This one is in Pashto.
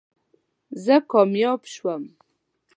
زه کامیاب شوم